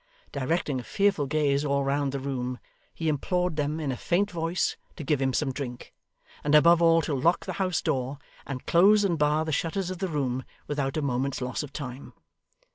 Directing a fearful gaze all round the room, he implored them in a faint voice to give him some drink; and above all to lock the house door and close and bar the shutters of the room, without a moment's loss of time.